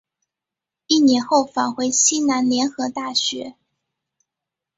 一年后返回西南联合大学。